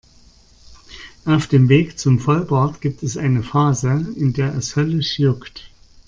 Auf dem Weg zum Vollbart gibt es eine Phase, in der es höllisch juckt.